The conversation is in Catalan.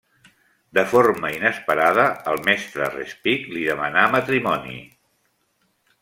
De forma inesperada, el mestre Respighi li demanà matrimoni.